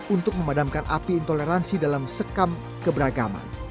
untuk memadamkan api intoleransi dalam sekam keberagaman